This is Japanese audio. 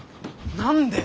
何で？